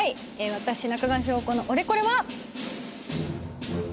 私中川翔子のオレコレは。